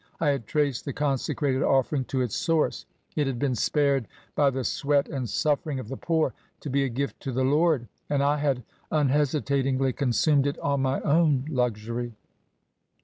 I had traced the consecrated offering to its source. It had been spared by the sweat and suffering of the poor to be a gift to the Lord. And I had unhesi tatingly consumed it on my own luxury."